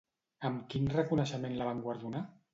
Amb quin reconeixement la van guardonar?